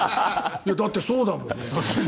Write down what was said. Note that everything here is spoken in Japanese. だってそうだもん！